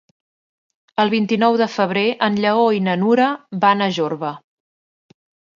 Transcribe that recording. El vint-i-nou de febrer en Lleó i na Nura van a Jorba.